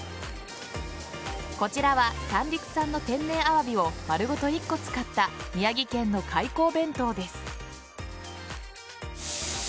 こちらは三陸産の天然アワビを丸ごと１個使った宮城県の海幸弁当です。